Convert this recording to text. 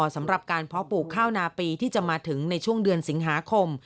สำหรับการเพาะปลูกข้าวนาปีที่จะมาถึงในช่วงเดือนสิงหาคม